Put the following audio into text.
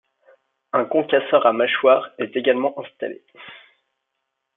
Un concasseur à mâchoires est également installé.